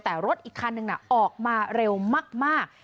แต่รถอีกคันนึงออกมาเร็วมาก